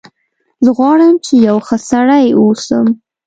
زه غواړم چې یو ښه سړی و اوسم